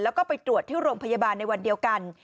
แล้วก็ไปตรวจที่โรงพยาบาลในวันเดียวกัน